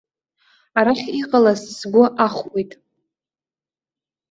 Арахь иҟалаз сгәы ахәуеит.